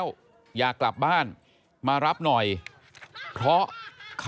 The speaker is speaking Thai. ไอ้แม่ได้เอาแม่ได้เอาแม่